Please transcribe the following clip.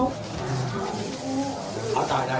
เขาตายได้เหรอ